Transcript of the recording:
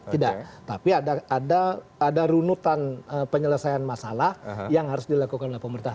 tidak tapi ada runutan penyelesaian masalah yang harus dilakukan oleh pemerintah